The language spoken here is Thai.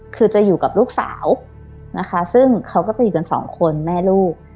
คือจะอยู่กับลูกสาวนะคะซึ่งเขาก็จะอยู่กันสองคนแม่ลูก